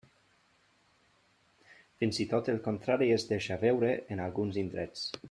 Fins i tot el contrari es deixa veure en alguns indrets.